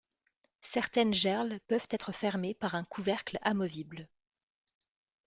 Certaines gerles peuvent être fermées par un couvercle amovible.